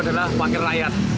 adalah wakil rakyat